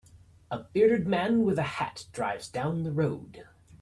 A bearded man with a hat drives down the road.